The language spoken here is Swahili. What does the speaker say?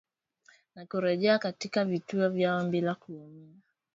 na kurejea katika vituo vyao bila kuumia